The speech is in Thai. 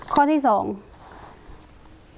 ข้อที่สอง